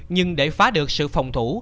nhưng để phá được sự phòng thủ